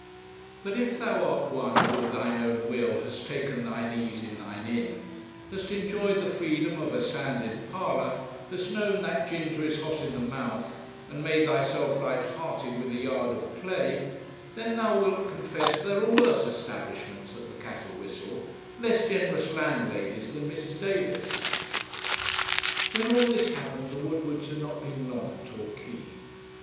But if thou art one who of thine own will hast taken thine ease in thine inn, hast enjoyed the freedom of a sanded parlour, hast known 'that ginger is hot in the mouth,' and made thyself light hearted with a yard of clay, then thou wilt confess there are worse establishments than the 'Cat and Whistle,' less generous landladies than Mrs. Davis. When all this happened the Woodwards had not been long at Torquay.